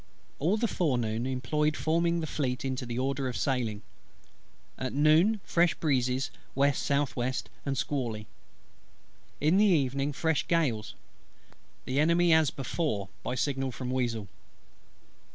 All the forenoon employed forming the Fleet into the order of sailing. At noon fresh breezes W.S.W. and squally. In the evening fresh gales. The Enemy as before, by signal from Weazle.